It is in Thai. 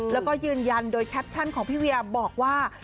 แล้วก็ยืนยันโดยแคปชั่นของพี่เวียบอกว่า